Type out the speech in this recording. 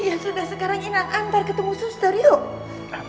ya sudah sekarang inang antar ketemu suster yuk